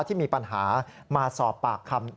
ที่มีปัญหามาสอบปากคำ